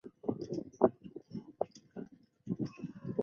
案发后赃款赃物已全部追缴。